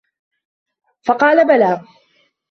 فَقَالَ بَلَى